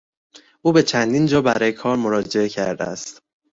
او به چندین جا برای کار مراجعه کرده است.